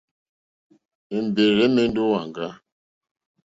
Èmbèrzà ɛ̀mɛ́ndɛ́ ó wàŋgá.